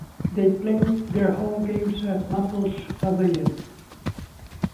They play their home games at Maples Pavilion.